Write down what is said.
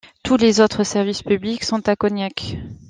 Tous les autres services publics sont à Cognac.